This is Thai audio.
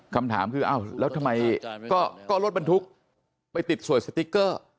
คำถามคืออ้าวแล้วทำไมก็รถบรรทุกไปติดสวยสติ๊กเกอร์